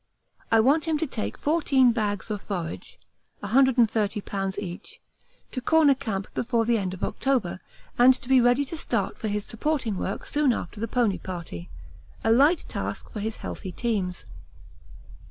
I want him to take fourteen bags of forage (130 lbs. each) to Corner Camp before the end of October and to be ready to start for his supporting work soon after the pony party a light task for his healthy teams.